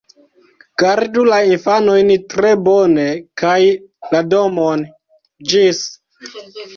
Gardu la infanojn tre bone, kaj la domon! Ĝis!